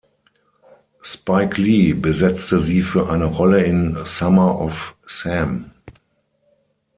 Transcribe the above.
Spike Lee besetzte sie für eine Rolle in "Summer of Sam".